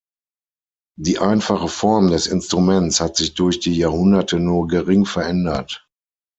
Die einfache Form des Instruments hat sich durch die Jahrhunderte nur gering verändert.